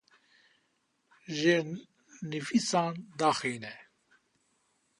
Jêrnivîsan daxîne.